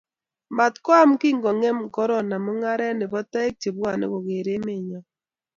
mat ko am kikongem korona mugaret nebo taek chebwane koker emet nenyon